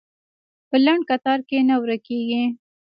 په لنډ کتار کې نه ورکېږي.